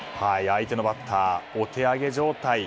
相手のバッターお手上げ状態。